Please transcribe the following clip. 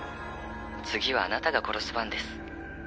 次はあなたが殺す番です」